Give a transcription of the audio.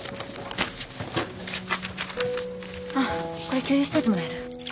これ共有しといてもらえる？